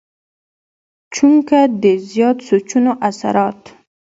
چونکه د زيات سوچونو اثرات